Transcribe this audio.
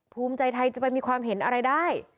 ภูมิใจไทยจะไปมีความเห็นอะไรได้